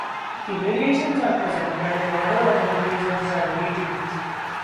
The variations are presented in order of increasing stability.